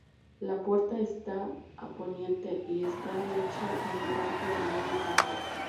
La puerta está a poniente, y está hecha con un arco de medio punto.